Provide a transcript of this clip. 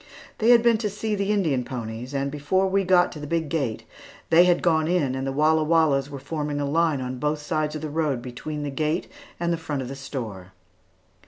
They had been to see the Indian ponies, and before we got to the big gate, they had gone in and the Walla Wallas were forming in line on both sides of the road between the gate and the front of the store.